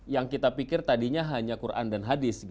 yang kita pikir tadinya hanya quran dan hadis